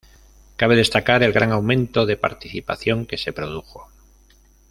Cabe destacar el gran aumento de participación que se produjo.